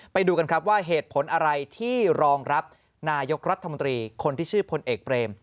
ไปดูกันครับว่าเหตุผลอะไรที่รองรับนายกรัฐมนตรีคนที่ชื่อพลเอกเบรม